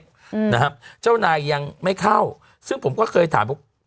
นะฮะเจ้านายยังไม่เข้าซึ่งผมก็เคยถามว่า